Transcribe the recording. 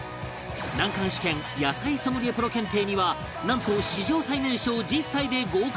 難関試験野菜ソムリエプロ検定にはなんと史上最年少１０歳で合格した